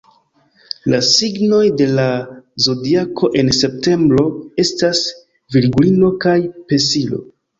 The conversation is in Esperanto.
La signoj de la Zodiako en septembro estas Virgulino kaj Pesilo.